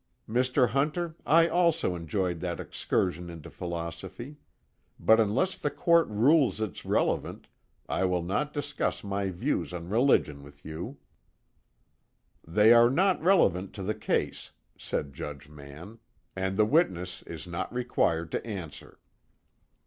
"Mr. Hunter, I also enjoyed that excursion into philosophy, but unless the Court rules it's relevant, I will not discuss my views on religion with you." "They are not relevant to the case," said Judge Mann, "and the witness is not required to answer."